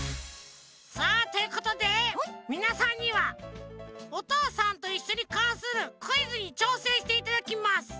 さあということでみなさんには「おとうさんといっしょ」にかんするクイズにちょうせんしていただきます。